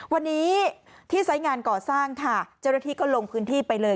วันนี้ที่ไซส์งานก่อสร้างค่ะเจ้าหน้าที่ก็ลงพื้นที่ไปเลย